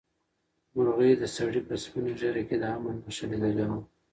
مرغۍ د سړي په سپینه ږیره کې د امن نښه لیدلې وه.